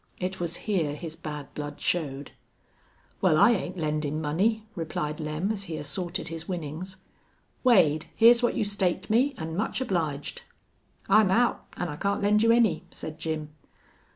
It was here his bad blood showed. "Wal, I ain't lendin' money," replied Lem, as he assorted his winnings. "Wade, here's what you staked me, an' much obliged." "I'm out, an' I can't lend you any," said Jim.